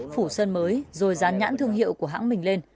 phủ sơn mới rồi dán nhãn thương hiệu của hãng mình lên